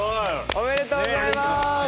ありがとうございます。